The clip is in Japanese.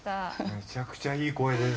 めちゃくちゃいい声ですね。